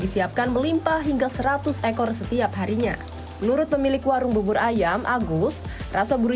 disiapkan melimpah hingga seratus ekor setiap harinya menurut pemilik warung bubur ayam agus rasoguri